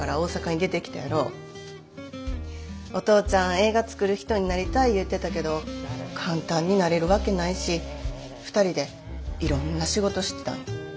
映画作る人になりたい言うてたけど簡単になれるわけないし２人でいろんな仕事してたんや。